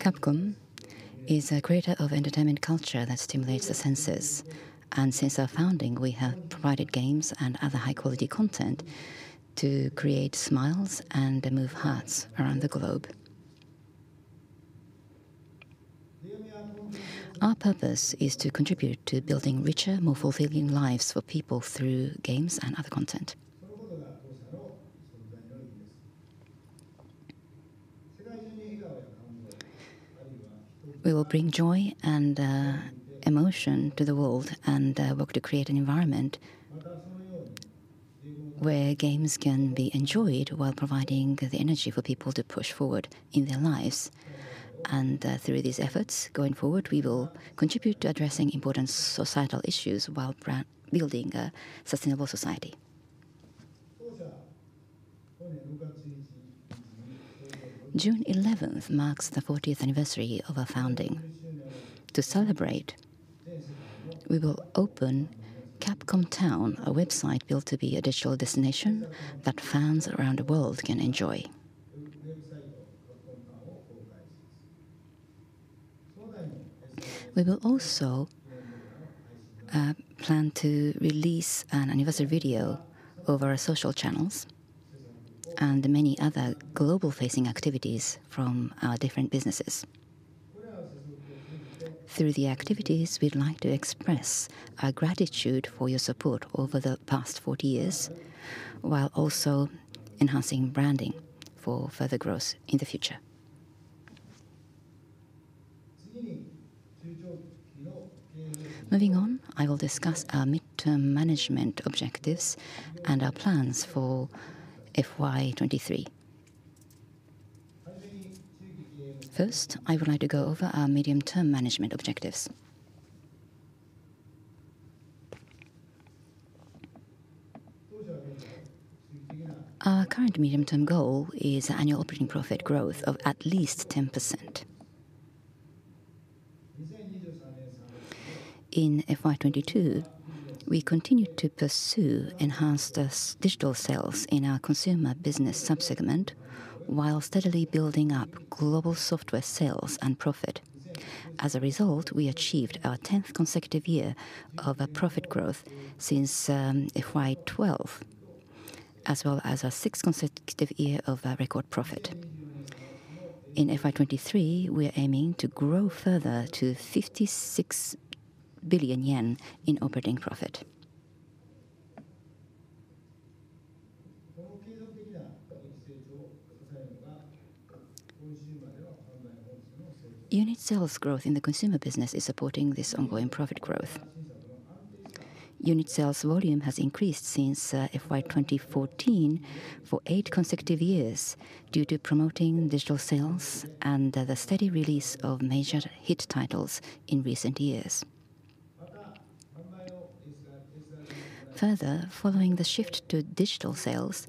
Capcom is a creator of entertainment culture that stimulates the senses, and since our founding, we have provided games and other high-quality content to create smiles and move hearts around the globe. Our purpose is to contribute to building richer, more fulfilling lives for people through games and other content. We will bring joy and emotion to the world and work to create an environment where games can be enjoyed while providing the energy for people to push forward in their lives. Through these efforts going forward, we will contribute to addressing important societal issues while building a sustainable society. June 11th marks the fortieth anniversary of our founding. To celebrate, we will open Capcom Town, a website built to be a digital destination that fans around the world can enjoy. We will also plan to release an anniversary video over our social channels and many other global-facing activities from our different businesses. Through the activities, we'd like to express our gratitude for your support over the past 40 years, while also enhancing branding for further growth in the future. Moving on, I will discuss our medium-term management objectives and our plans for FY 2023. First, I would like to go over our medium-term management objectives. Our current medium-term goal is annual operating profit growth of at least 10%. In FY 2022, we continued to pursue enhanced digital sales in our consumer business sub-segment while steadily building up global software sales and profit. As a result, we achieved our 10th consecutive year of profit growth since FY 2012, as well as our 6th consecutive year of record profit. In FY23, we are aiming to grow further to 56 billion yen in operating profit. Unit sales growth in the consumer business is supporting this ongoing profit growth. Unit sales volume has increased since FY2014 for eight consecutive years due to promoting digital sales and the steady release of major hit titles in recent years. Further, following the shift to digital sales,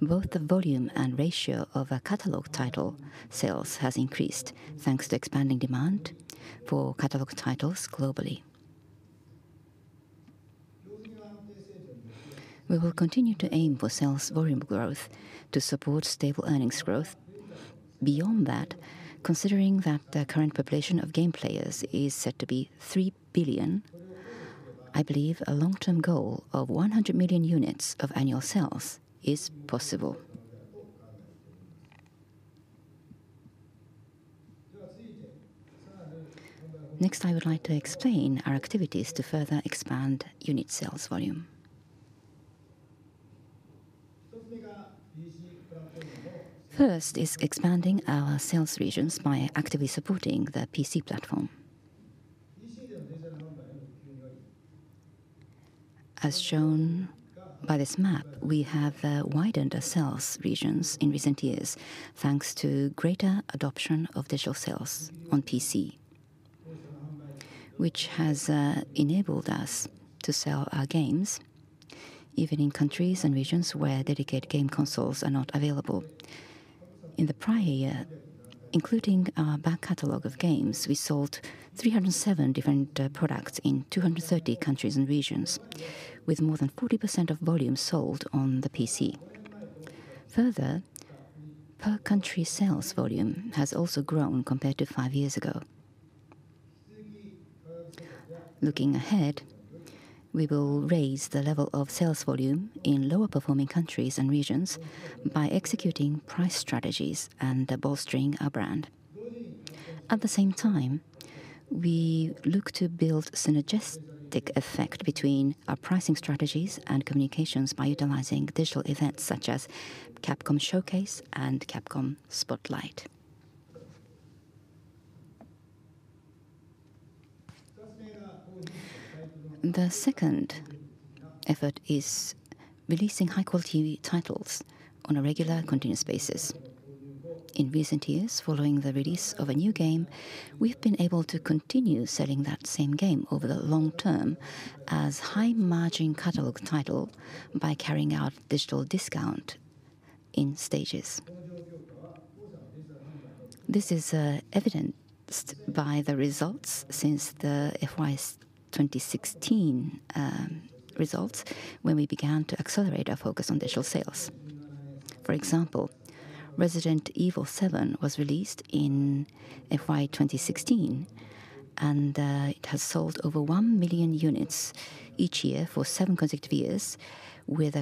both the volume and ratio of our catalog title sales has increased thanks to expanding demand for catalog titles globally. We will continue to aim for sales volume growth to support stable earnings growth. Beyond that, considering that the current population of game players is said to be 3 billion, I believe a long-term goal of 100 million units of annual sales is possible. Next, I would like to explain our activities to further expand unit sales volume. First is expanding our sales regions by actively supporting the PC platform. As shown by this map, we have widened our sales regions in recent years, thanks to greater adoption of digital sales on PC, which has enabled us to sell our games even in countries and regions where dedicated game consoles are not available. In the prior year, including our back catalog of games, we sold 307 different products in 230 countries and regions, with more than 40% of volume sold on the PC. Further, per-country sales volume has also grown compared to five years ago. Looking ahead, we will raise the level of sales volume in lower-performing countries and regions by executing price strategies and bolstering our brand. At the same time, we look to build synergistic effect between our pricing strategies and communications by utilizing digital events such as Capcom Showcase and Capcom Spotlight. The second effort is releasing high-quality titles on a regular, continuous basis. In recent years, following the release of a new game, we've been able to continue selling that same game over the long term as high-margin catalog title by carrying out digital discount in stages. This is evidenced by the results since the FY 2016 results when we began to accelerate our focus on digital sales. For example, Resident Evil 7 was released in FY 2016, and it has sold over 1 million units each year for seven consecutive years with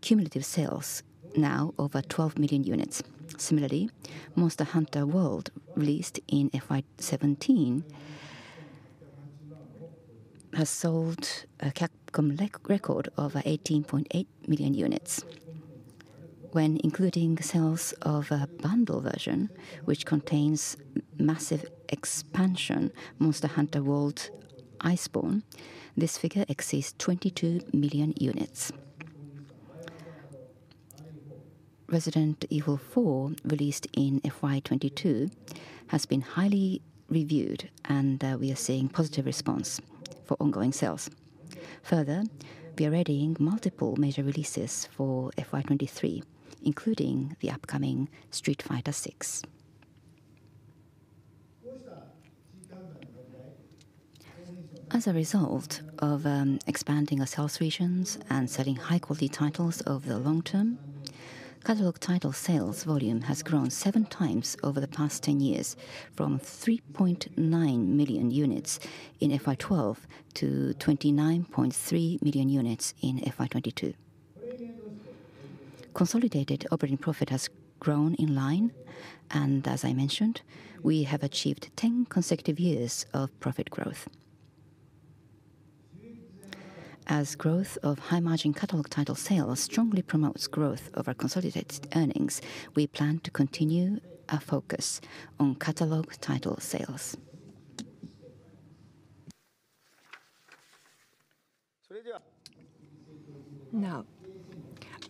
cumulative sales now over 12 million units. Similarly, Monster Hunter: World, released in FY 2017, has sold a Capcom record over 18.8 million units. When including sales of a bundle version which contains massive expansion, Monster Hunter World: Iceborne, this figure exceeds 22 million units. Resident Evil 4, released in FY 2022, has been highly reviewed, and we are seeing positive response for ongoing sales. Further, we are readying multiple major releases for FY 2023, including the upcoming Street Fighter 6. As a result of expanding our sales regions and selling high-quality titles over the long term, catalog title sales volume has grown 7 times over the past 10 years from 3.9 million units in FY 2012 to 29.3 million units in FY 2022. Consolidated operating profit has grown in line, and as I mentioned, we have achieved 10 consecutive years of profit growth. Growth of high-margin catalog title sales strongly promotes growth of our consolidated earnings, so we plan to continue our focus on catalog title sales. Now,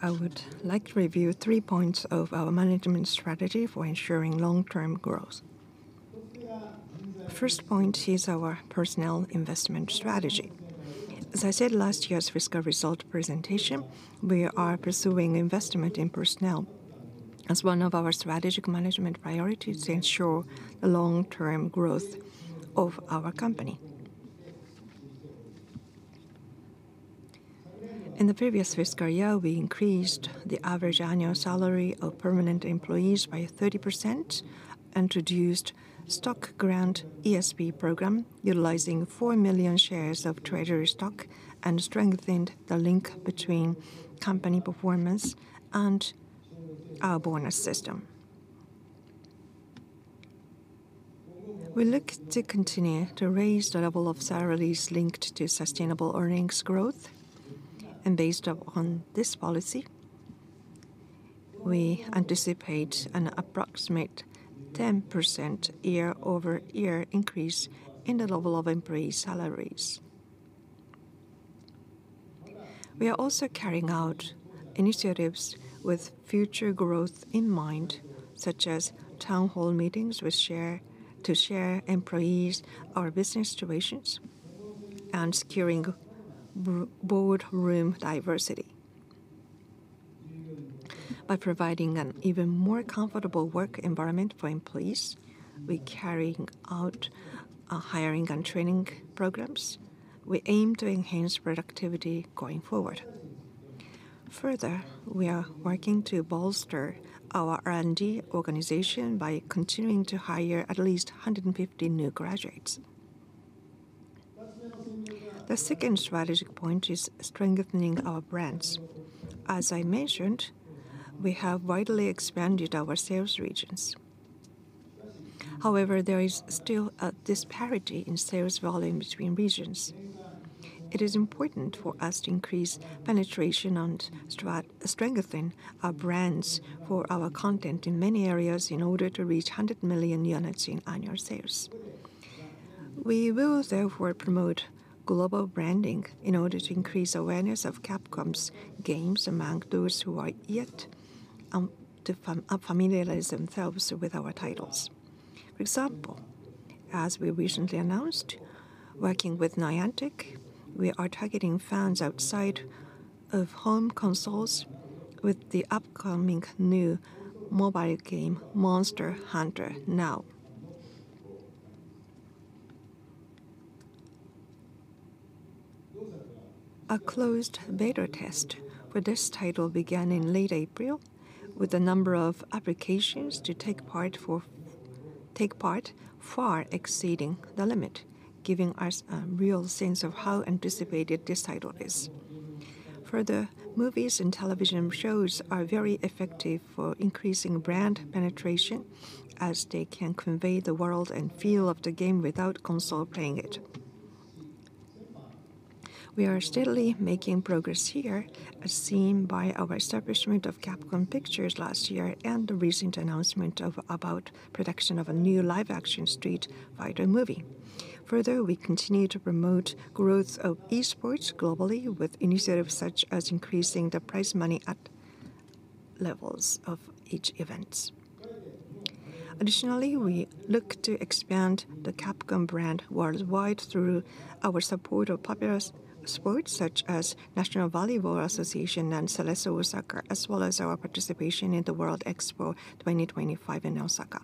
I would like to review three points of our management strategy for ensuring long-term growth. First point is our personnel investment strategy. As I said last year's fiscal results presentation, we are pursuing investment in personnel as one of our strategic management priorities to ensure the long-term growth of our company. In the previous fiscal year, we increased the average annual salary of permanent employees by 30%, introduced stock grant ESOP program utilizing 4 million shares of treasury stock, and strengthened the link between company performance and our bonus system. We look to continue to raise the level of salaries linked to sustainable earnings growth. Based upon this policy, we anticipate an approximate 10% year-over-year increase in the level of employee salaries. We are also carrying out initiatives with future growth in mind, such as town hall meetings with shareholders to share with employees our business situations and securing boardroom diversity. By providing an even more comfortable work environment for employees, we're carrying out hiring and training programs. We aim to enhance productivity going forward. Further, we are working to bolster our R&D organization by continuing to hire at least 150 new graduates. The second strategic point is strengthening our brands. As I mentioned, we have widely expanded our sales regions. However, there is still a disparity in sales volume between regions. It is important for us to increase penetration and strengthen our brands for our content in many areas in order to reach 100 million units in annual sales. We will therefore promote global branding in order to increase awareness of Capcom's games among those who are yet to familiarize themselves with our titles. For example, as we recently announced, working with Niantic, we are targeting fans outside of home consoles with the upcoming new mobile game, Monster Hunter Now. A closed beta test for this title began in late April with a number of applications to take part far exceeding the limit, giving us a real sense of how anticipated this title is. Further, movies and television shows are very effective for increasing brand penetration as they can convey the world and feel of the game without console playing it. We are steadily making progress here as seen by our establishment of Capcom Pictures last year and the recent announcement about production of a new live-action Street Fighter movie. Further, we continue to promote growth of esports globally with initiatives such as increasing the prize money at levels of each events. Additionally, we look to expand the Capcom brand worldwide through our support of popular sports such as Japan Volleyball Association and Cerezo Osaka, as well as our participation in the World Expo 2025 in Osaka.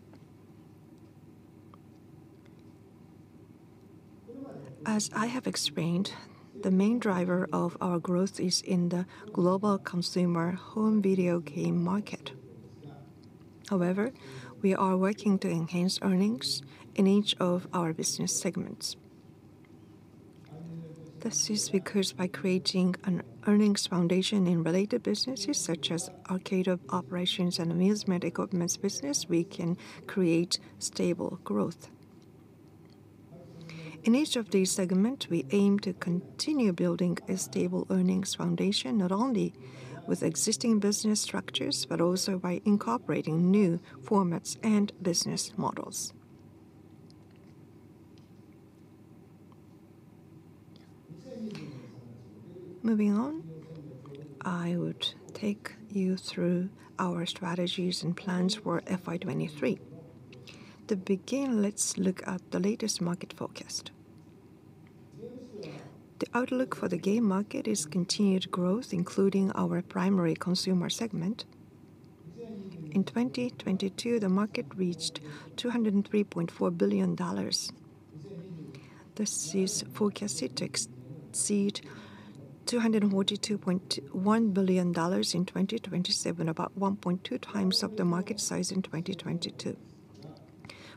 As I have explained, the main driver of our growth is in the global consumer home video game market. However, we are working to enhance earnings in each of our business segments. This is because by creating an earnings foundation in related businesses such as arcade operations and Amusement Equipments business, we can create stable growth. In each of these segment, we aim to continue building a stable earnings foundation, not only with existing business structures, but also by incorporating new formats and business models. Moving on, I would take you through our strategies and plans for FY23. To begin, let's look at the latest market forecast. The outlook for the game market is continued growth, including our primary consumer segment. In 2022, the market reached $203.4 billion. This is forecasted to exceed $242.1 billion in 2027, about 1.2 times of the market size in 2022.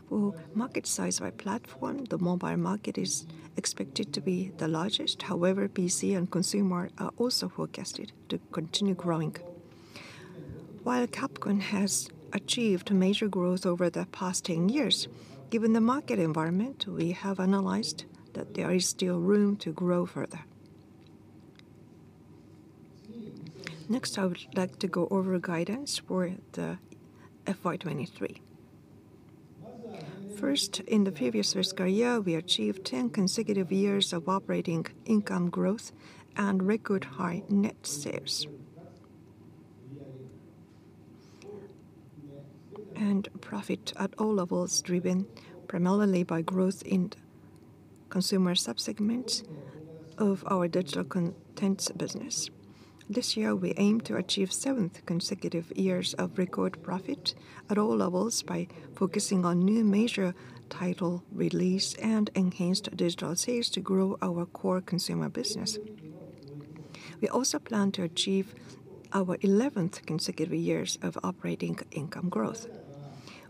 For market size by platform, the mobile market is expected to be the largest. However, PC and consumer are also forecasted to continue growing. While Capcom has achieved major growth over the past 10 years, given the market environment, we have analyzed that there is still room to grow further. Next, I would like to go over guidance for the FY23. First, in the previous fiscal year, we achieved 10 consecutive years of operating income growth and record high net sales. Profit at all levels driven primarily by growth in consumer sub-segments of our Digital Contents business. This year we aim to achieve seventh consecutive years of record profit at all levels by focusing on new major title release and enhanced digital sales to grow our core consumer business. We also plan to achieve our eleventh consecutive years of operating income growth.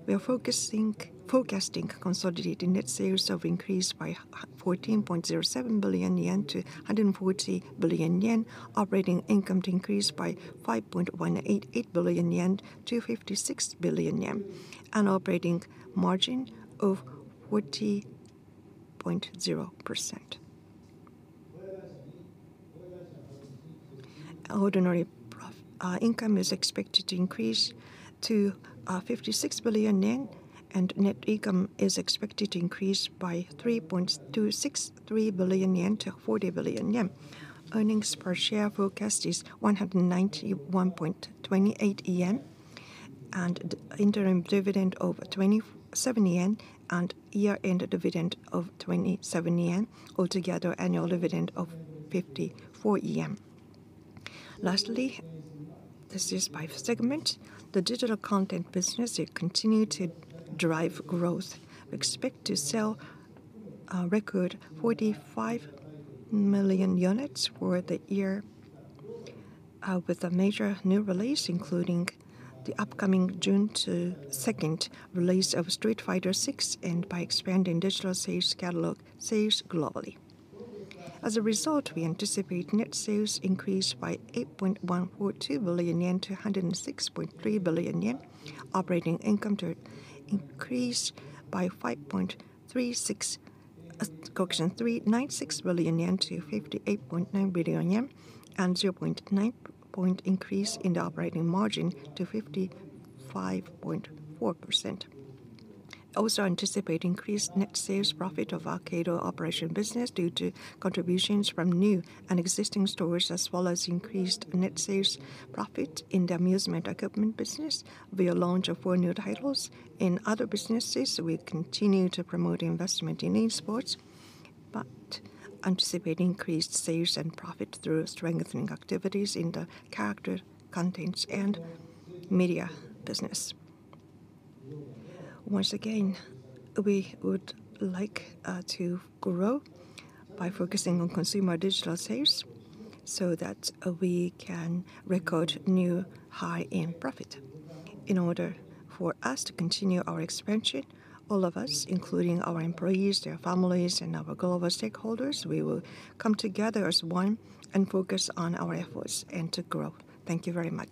We are focusing, forecasting consolidated net sales to increase by 14.07 billion yen to 140 billion yen. Operating income to increase by 5.188 billion yen to 56 billion yen. Operating margin of 40.0%. Ordinary income is expected to increase to 56 billion yen, and net income is expected to increase by 3.263 billion yen to 40 billion yen. Earnings per share forecast is 191.28 yen, and interim dividend of 27 yen and year-end dividend of 27 yen. Altogether annual dividend of 54 yen. Lastly, this is by segment. The digital content business will continue to drive growth. We expect to sell record 45 million units for the year with a major new release, including the upcoming June 2nd release of Street Fighter 6 and by expanding digital sales catalog sales globally. As a result, we anticipate net sales increase by 8.142 billion yen to 106.3 billion yen. Operating income to increase by 3.96 billion yen to 58.9 billion yen, and 0.9-point increase in the operating margin to 55.4%. We also anticipate increased net sales profit of Arcade Operations business due to contributions from new and existing stores, as well as increased net sales profit in the amusement equipment business via launch of four new titles. In other businesses, we continue to promote investment in esports, but anticipate increased sales and profit through strengthening activities in the character contents and media business. Once again, we would like to grow by focusing on consumer digital sales so that we can record new high-end profit. In order for us to continue our expansion, all of us, including our employees, their families, and our global stakeholders, we will come together as one and focus on our efforts and to growth. Thank you very much.